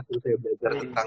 saya belajar tentang